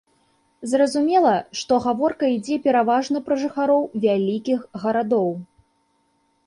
Зразумела, што гаворка ідзе пераважна пра жыхароў вялікіх гарадоў.